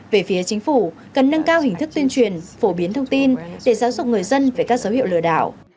về phía chính phủ cần nâng cao hình thức tuyên truyền phổ biến thông tin để giáo dục người dân về các dấu hiệu lừa đảo